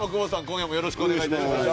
今夜もよろしくお願いします。